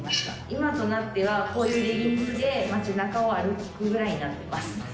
今となっては、こういうレギンスで街なかを歩くぐらいになってます。